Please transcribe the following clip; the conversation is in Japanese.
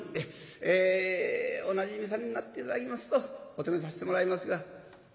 「えおなじみさんになって頂きますとお泊めさせてもらいますが」。